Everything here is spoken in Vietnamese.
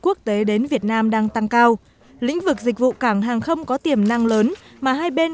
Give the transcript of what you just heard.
quốc tế đến việt nam đang tăng cao lĩnh vực dịch vụ cảng hàng không có tiềm năng lớn mà hai bên